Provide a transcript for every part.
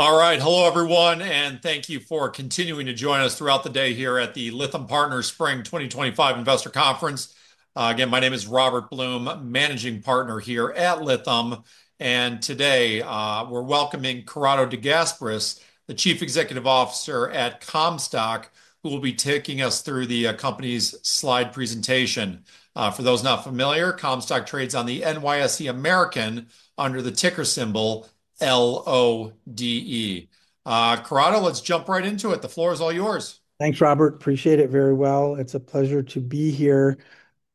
All right. Hello, everyone, and thank you for continuing to join us throughout the day here at the Lithum Partners Spring 2025 Investor Conference. Again, my name is Robert Blum, Managing Partner here at Lithum. Today we're welcoming Corrado De Gasperis, the Chief Executive Officer at Comstock, who will be taking us through the company's slide presentation. For those not familiar, Comstock trades on the NYSE American under the ticker symbol LODE. Corrado, let's jump right into it. The floor is all yours. Thanks, Robert. Appreciate it very well. It's a pleasure to be here.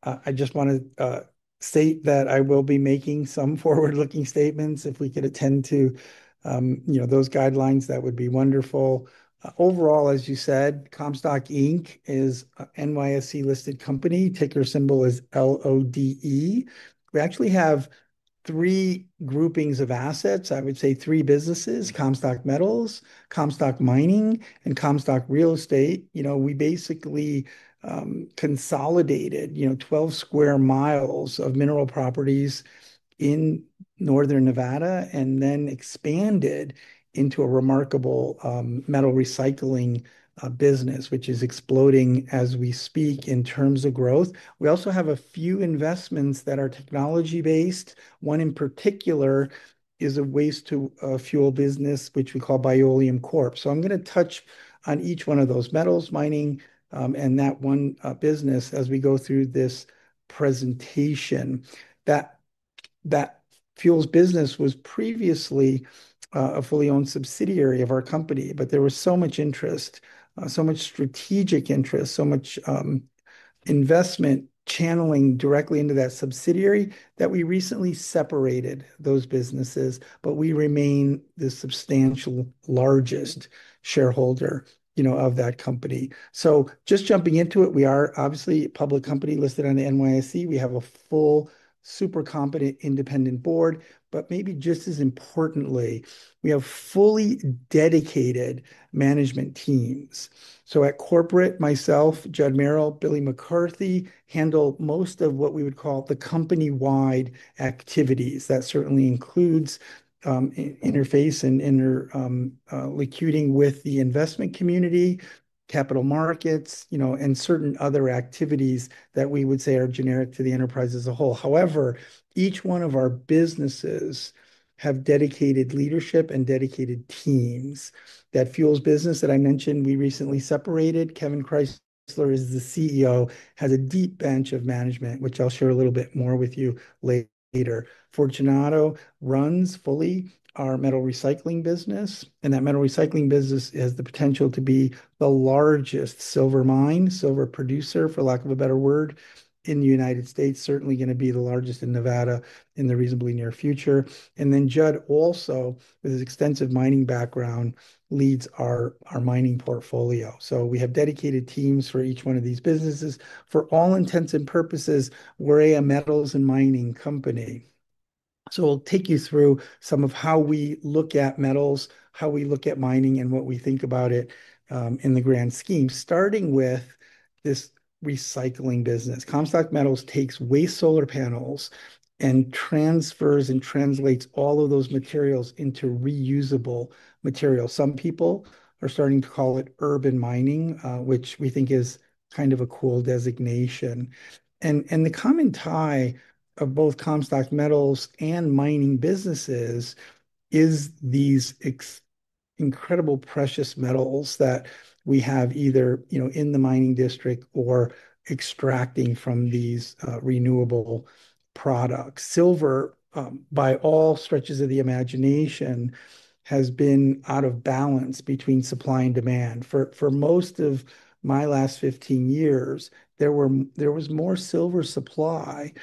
I just want to state that I will be making some forward-looking statements. If we could attend to, you know, those guidelines, that would be wonderful. Overall, as you said, Comstock is an NYSE-listed company. Ticker symbol is LODE. We actually have three groupings of assets. I would say three businesses: Comstock Metals, Comstock Mining, and Comstock Real Estate. You know, we basically consolidated, you know, 12 sq mi of mineral properties in northern Nevada and then expanded into a remarkable metal recycling business, which is exploding as we speak in terms of growth. We also have a few investments that are technology-based. One in particular is a waste-to-fuel business, which we call Biolium Corps. So I'm going to touch on each one of those: metals, mining, and that one business as we go through this presentation. That fuels business was previously a fully owned subsidiary of our company, but there was so much interest, so much strategic interest, so much investment channeling directly into that subsidiary that we recently separated those businesses, but we remain the substantial largest shareholder, you know, of that company. Just jumping into it, we are obviously a public company listed on the NYSE. We have a full, super competent independent board, but maybe just as importantly, we have fully dedicated management teams. At corporate, myself, Judd Merrill, Billy McCarthy handle most of what we would call the company-wide activities. That certainly includes interface and interlocuting with the investment community, capital markets, you know, and certain other activities that we would say are generic to the enterprise as a whole. However, each one of our businesses has dedicated leadership and dedicated teams. That fuels business that I mentioned, we recently separated. Kevin Chrysler is the CEO, has a deep bench of management, which I'll share a little bit more with you later. Fortunato runs fully our metal recycling business, and that metal recycling business has the potential to be the largest silver mine, silver producer, for lack of a better word, in the United States. Certainly going to be the largest in Nevada in the reasonably near future. Judd, also with his extensive mining background, leads our mining portfolio. We have dedicated teams for each one of these businesses. For all intents and purposes, we're a metals and mining company. I'll take you through some of how we look at metals, how we look at mining, and what we think about it in the grand scheme, starting with this recycling business. Comstock Metals takes waste solar panels and transfers and translates all of those materials into reusable materials. Some people are starting to call it urban mining, which we think is kind of a cool designation. The common tie of both Comstock Metals and mining businesses is these incredible precious metals that we have either, you know, in the mining district or extracting from these renewable products. Silver, by all stretches of the imagination, has been out of balance between supply and demand. For most of my last 15 years, there was more silver supply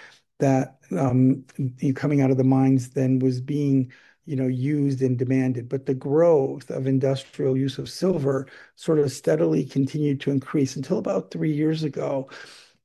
that, you know, coming out of the mines than was being, you know, used and demanded. The growth of industrial use of silver sort of steadily continued to increase until about three years ago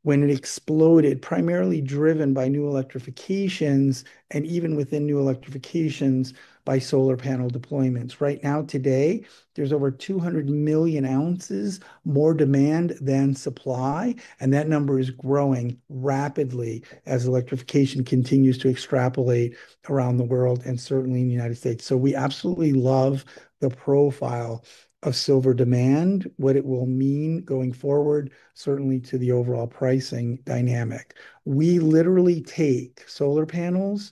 when it exploded, primarily driven by new electrifications and even within new electrifications by solar panel deployments. Right now, today, there's over 200 million ounces more demand than supply, and that number is growing rapidly as electrification continues to extrapolate around the world and certainly in the United States. We absolutely love the profile of silver demand, what it will mean going forward, certainly to the overall pricing dynamic. We literally take solar panels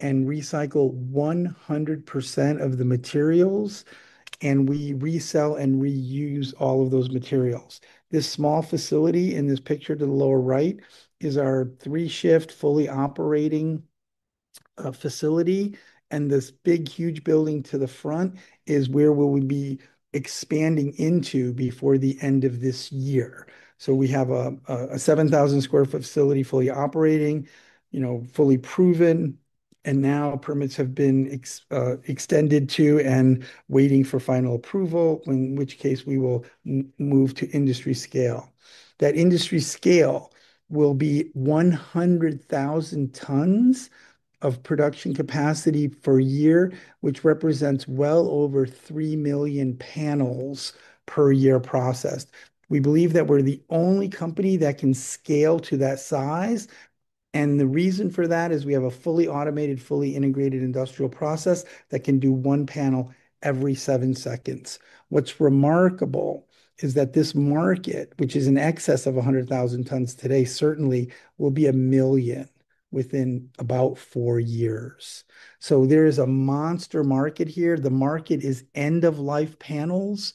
and recycle 100% of the materials, and we resell and reuse all of those materials. This small facility in this picture to the lower right is our three-shift fully operating facility, and this big, huge building to the front is where we will be expanding into before the end of this year. We have a 7,000 sq ft facility fully operating, you know, fully proven, and now permits have been extended to and waiting for final approval, in which case we will move to industry scale. That industry scale will be 100,000 tons of production capacity per year, which represents well over 3 million panels per year processed. We believe that we're the only company that can scale to that size, and the reason for that is we have a fully automated, fully integrated industrial process that can do one panel every seven seconds. What's remarkable is that this market, which is in excess of 100,000 tons today, certainly will be a million within about four years. There is a monster market here. The market is end-of-life panels,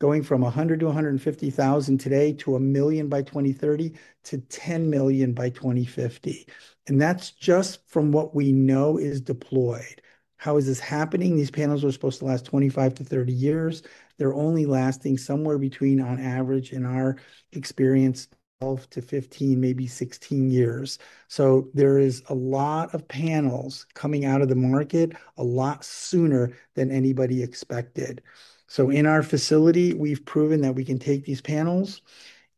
going from 100,000-150,000 today to a million by 2030 to 10 million by 2050. That's just from what we know is deployed. How is this happening? These panels are supposed to last 25-30 years. They're only lasting somewhere between, on average, in our experience, 12-15, maybe 16 years. There is a lot of panels coming out of the market a lot sooner than anybody expected. In our facility, we've proven that we can take these panels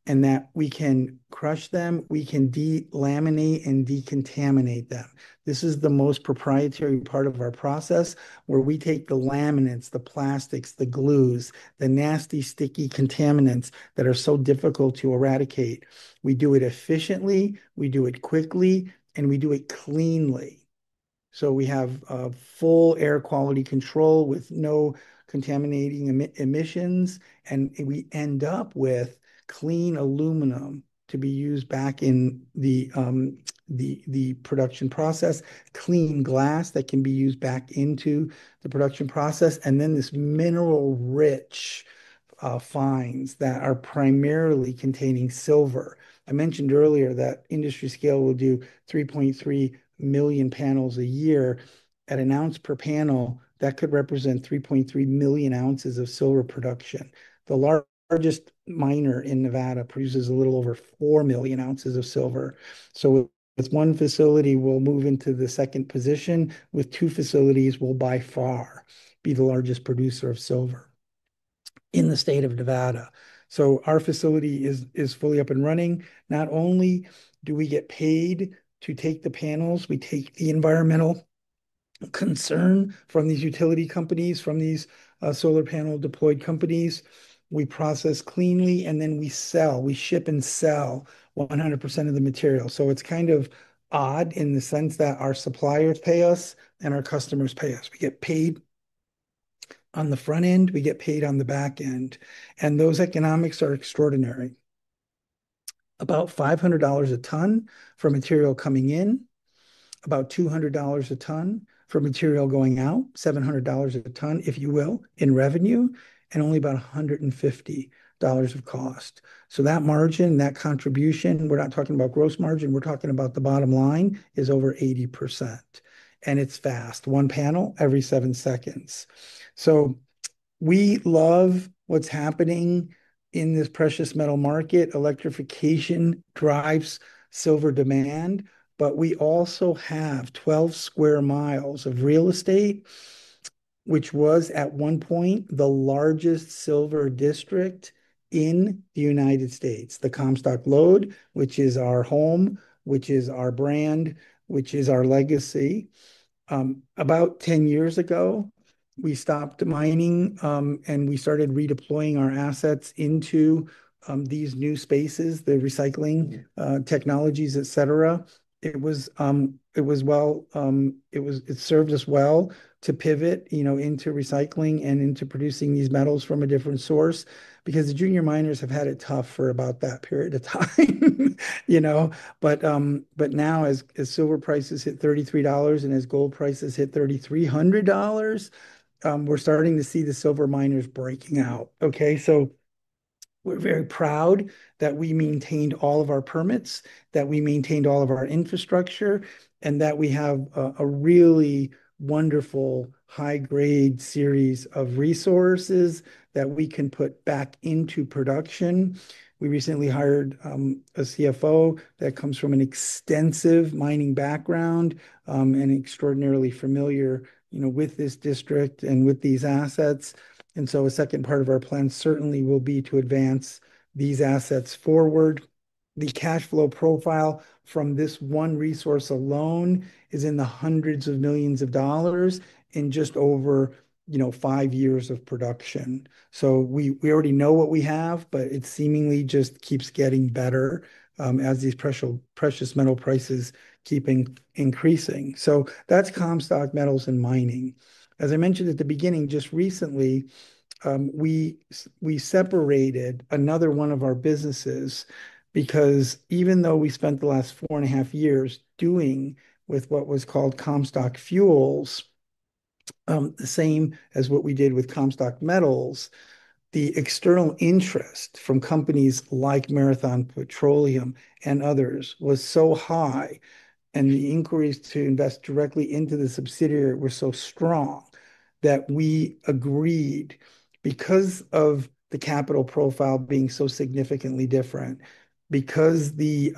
and that we can crush them. We can delaminate and decontaminate them. This is the most proprietary part of our process where we take the laminates, the plastics, the glues, the nasty, sticky contaminants that are so difficult to eradicate. We do it efficiently, we do it quickly, and we do it cleanly. We have full air quality control with no contaminating emissions, and we end up with clean aluminum to be used back in the production process, clean glass that can be used back into the production process, and then this mineral-rich fines that are primarily containing silver. I mentioned earlier that industry scale will do 3.3 million panels a year. At an ounce per panel, that could represent 3.3 million ounces of silver production. The largest miner in Nevada produces a little over 4 million ounces of silver. With one facility, we'll move into the second position. With two facilities, we'll by far be the largest producer of silver in the state of Nevada. Our facility is fully up and running. Not only do we get paid to take the panels, we take the environmental concern from these utility companies, from these solar panel deployed companies. We process cleanly, and then we sell. We ship and sell 100% of the material. It's kind of odd in the sense that our suppliers pay us and our customers pay us. We get paid on the front end. We get paid on the back end. Those economics are extraordinary. About $500 a ton for material coming in, about $200 a ton for material going out, $700 a ton, if you will, in revenue, and only about $150 of cost. That margin, that contribution, we're not talking about gross margin, we're talking about the bottom line, is over 80%. It is fast. One panel every seven seconds. We love what's happening in this precious metal market. Electrification drives silver demand, but we also have 12 sq mi of real estate, which was at one point the largest silver district in the United States. The Comstock Lode, which is our home, which is our brand, which is our legacy. About 10 years ago, we stopped mining and we started redeploying our assets into these new spaces, the recycling technologies, etc. It was well, it served us well to pivot, you know, into recycling and into producing these metals from a different source because the junior miners have had it tough for about that period of time, you know. As silver prices hit $33 and as gold prices hit $3,300, we're starting to see the silver miners breaking out. We are very proud that we maintained all of our permits, that we maintained all of our infrastructure, and that we have a really wonderful high-grade series of resources that we can put back into production. We recently hired a CFO that comes from an extensive mining background and extraordinarily familiar, you know, with this district and with these assets. A second part of our plan certainly will be to advance these assets forward. The cash flow profile from this one resource alone is in the hundreds of millions of dollars in just over, you know, five years of production. We already know what we have, but it seemingly just keeps getting better as these precious metal prices keep increasing. That is Comstock Metals and Mining. As I mentioned at the beginning, just recently, we separated another one of our businesses because even though we spent the last four and a half years doing with what was called Comstock Fuels, the same as what we did with Comstock Metals, the external interest from companies like Marathon Petroleum and others was so high, and the inquiries to invest directly into the subsidiary were so strong that we agreed because of the capital profile being so significantly different, because the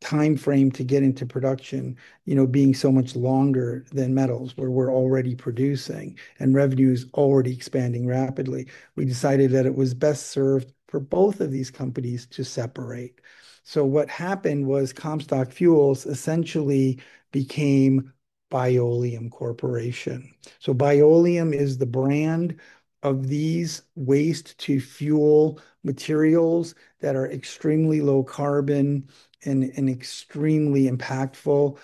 timeframe to get into production, you know, being so much longer than metals where we're already producing and revenue is already expanding rapidly, we decided that it was best served for both of these companies to separate. What happened was Comstock Fuels essentially became Biolium Corporation. Biolium is the brand of these waste-to-fuel materials that are extremely low carbon and extremely impactful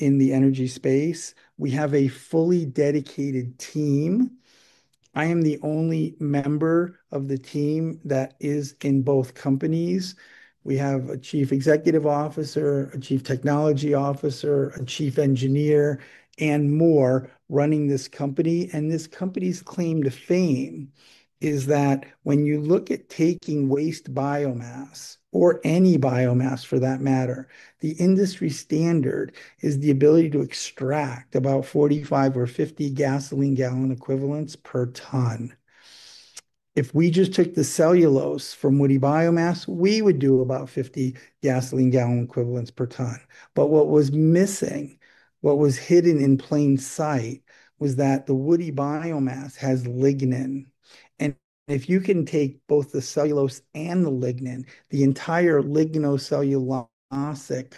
in the energy space. We have a fully dedicated team. I am the only member of the team that is in both companies. We have a Chief Executive Officer, a Chief Technology Officer, a Chief Engineer, and more running this company. This company's claim to fame is that when you look at taking waste biomass or any biomass for that matter, the industry standard is the ability to extract about 45 or 50 gasoline gallon equivalents per ton. If we just took the cellulose from woody biomass, we would do about 50 gasoline gallon equivalents per ton. What was missing, what was hidden in plain sight, was that the woody biomass has lignin. If you can take both the cellulose and the lignin, the entire lignocellulosic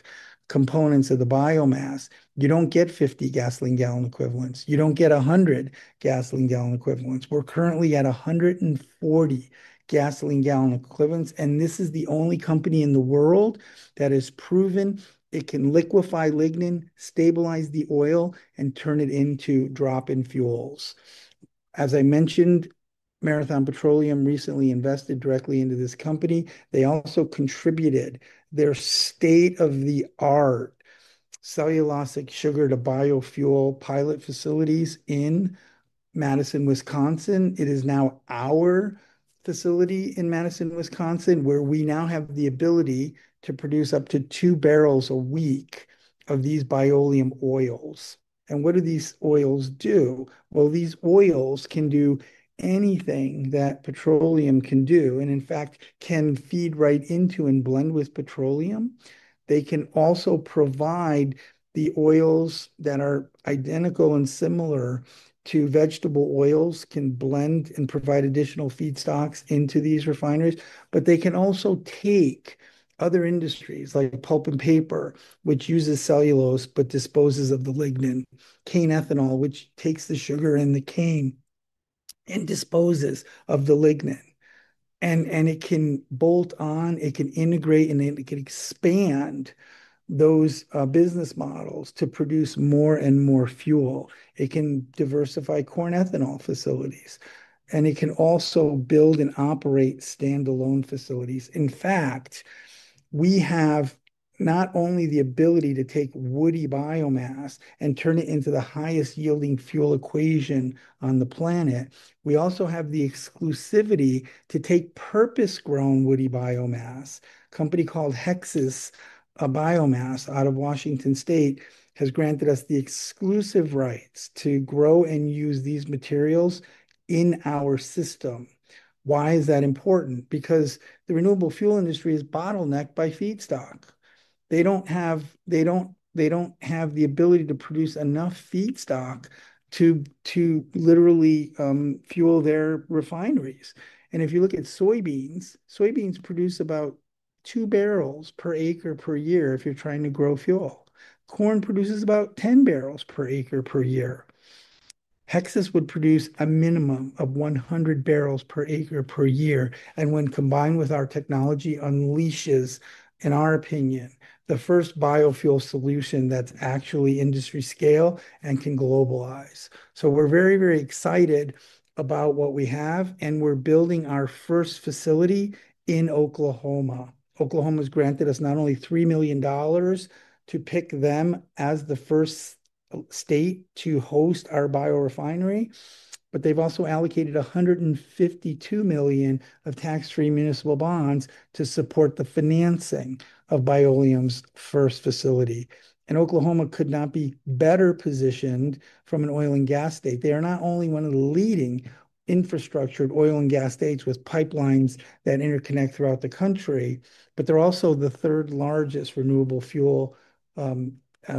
components of the biomass, you do not get 50 gasoline gallon equivalents. You do not get 100 gasoline gallon equivalents. We're currently at 140 gasoline gallon equivalents, and this is the only company in the world that has proven it can liquefy lignin, stabilize the oil, and turn it into drop-in fuels. As I mentioned, Marathon Petroleum recently invested directly into this company. They also contributed their state-of-the-art cellulosic sugar-to-biofuel pilot facilities in Madison, Wisconsin. It is now our facility in Madison, Wisconsin, where we now have the ability to produce up to two barrels a week of these Biolium oils. What do these oils do? These oils can do anything that petroleum can do and, in fact, can feed right into and blend with petroleum. They can also provide the oils that are identical and similar to vegetable oils, can blend and provide additional feedstocks into these refineries, but they can also take other industries like pulp and paper, which uses cellulose but disposes of the lignin; cane ethanol, which takes the sugar and the cane and disposes of the lignin. It can bolt on, it can integrate, and it can expand those business models to produce more and more fuel. It can diversify corn ethanol facilities, and it can also build and operate standalone facilities. In fact, we have not only the ability to take woody biomass and turn it into the highest yielding fuel equation on the planet, we also have the exclusivity to take purpose-grown woody biomass. A company called Hexas Biomass out of Washington State has granted us the exclusive rights to grow and use these materials in our system. Why is that important? Because the renewable fuel industry is bottlenecked by feedstock. They don't have the ability to produce enough feedstock to literally fuel their refineries. If you look at soybeans, soybeans produce about two barrels per acre per year if you're trying to grow fuel. Corn produces about 10 barrels per acre per year. Hexas would produce a minimum of 100 barrels per acre per year. When combined with our technology unleashes, in our opinion, the first biofuel solution that's actually industry scale and can globalize. We are very, very excited about what we have, and we're building our first facility in Oklahoma. Oklahoma has granted us not only $3 million to pick them as the first state to host our biorefinery, but they've also allocated $152 million of tax-free municipal bonds to support the financing of Biolium's first facility. Oklahoma could not be better positioned from an oil and gas state. They are not only one of the leading infrastructured oil and gas states with pipelines that interconnect throughout the country, but they're also the third largest renewable fuel,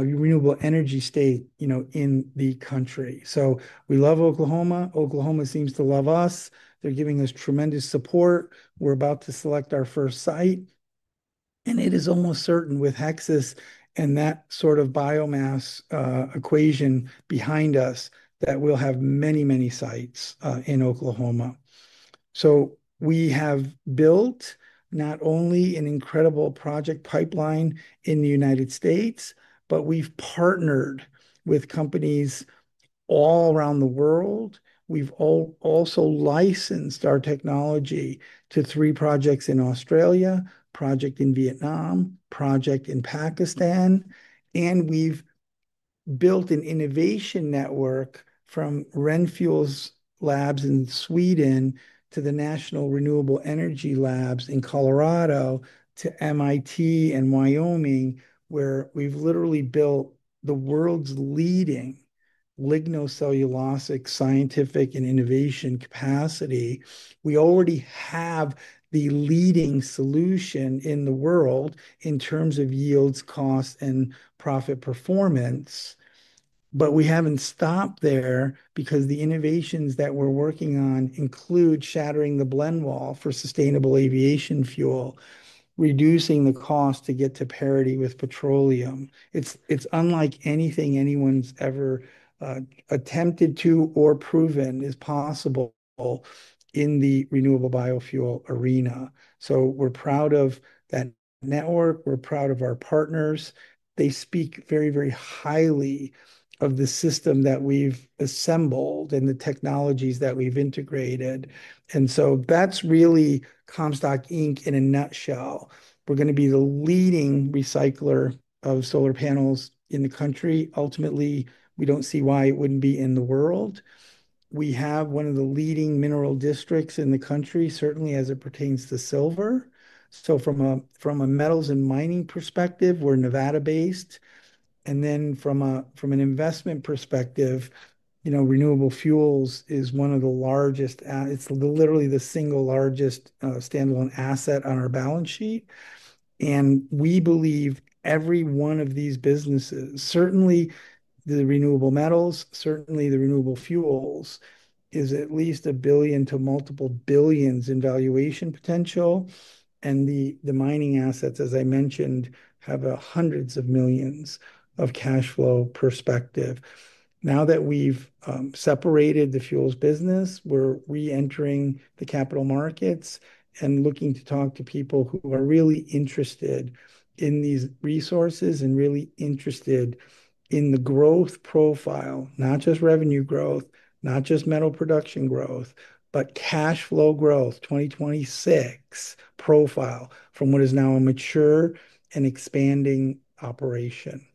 renewable energy state, you know, in the country. We love Oklahoma. Oklahoma seems to love us. They're giving us tremendous support. We're about to select our first site. It is almost certain with Hexas and that sort of biomass equation behind us that we'll have many, many sites in Oklahoma. We have built not only an incredible project pipeline in the United States, but we've partnered with companies all around the world. We've also licensed our technology to three projects in Australia, a project in Vietnam, a project in Pakistan, and we've built an innovation network from Renfuel's labs in Sweden to the National Renewable Energy Laboratory in Colorado to MIT and Wyoming, where we've literally built the world's leading lignocellulosic scientific and innovation capacity. We already have the leading solution in the world in terms of yields, cost, and profit performance, but we haven't stopped there because the innovations that we're working on include shattering the blend wall for sustainable aviation fuel, reducing the cost to get to parity with petroleum. It's unlike anything anyone's ever attempted to or proven is possible in the renewable biofuel arena. We are proud of that network. We are proud of our partners. They speak very, very highly of the system that we've assembled and the technologies that we've integrated. That is really Comstock. In a nutshell. We're going to be the leading recycler of solar panels in the country. Ultimately, we don't see why it wouldn't be in the world. We have one of the leading mineral districts in the country, certainly as it pertains to silver. From a metals and mining perspective, we're Nevada-based. From an investment perspective, you know, renewable fuels is one of the largest, it's literally the single largest standalone asset on our balance sheet. We believe every one of these businesses, certainly the renewable metals, certainly the renewable fuels, is at least a billion to multiple billions in valuation potential. The mining assets, as I mentioned, have hundreds of millions of cash flow perspective. Now that we've separated the fuels business, we're reentering the capital markets and looking to talk to people who are really interested in these resources and really interested in the growth profile, not just revenue growth, not just metal production growth, but cash flow growth, 2026 profile from what is now a mature and expanding operation.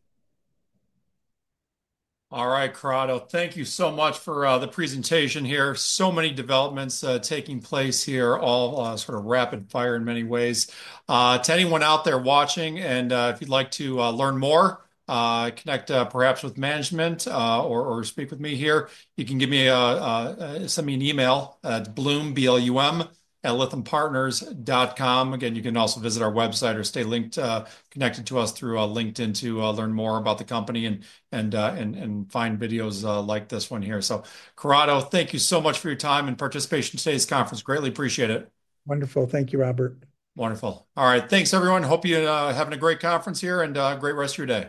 All right, Corrado, thank you so much for the presentation here. So many developments taking place here, all sort of rapid fire in many ways. To anyone out there watching, and if you'd like to learn more, connect perhaps with management or speak with me here, you can give me, send me an email at blumblum@lithumpartners.com. Again, you can also visit our website or stay linked, connected to us through LinkedIn to learn more about the company and find videos like this one here. Corrado, thank you so much for your time and participation in today's conference. Greatly appreciate it. Wonderful. Thank you, Robert. Wonderful. All right. Thanks, everyone. Hope you're having a great conference here and a great rest of your day.